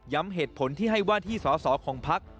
ย้ำเหตุผลที่ให้ว่าที่สาวของพัก